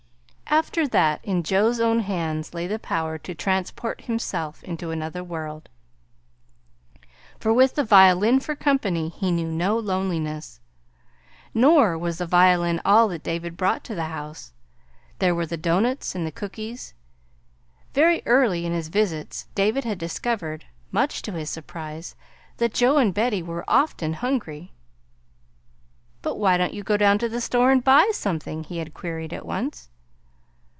After that, in Joe's own hands lay the power to transport himself into another world, for with the violin for company he knew no loneliness. Nor was the violin all that David brought to the house. There were the doughnuts and the cookies. Very early in his visits David had discovered, much to his surprise, that Joe and Betty were often hungry. "But why don't you go down to the store and buy something?" he had queried at once.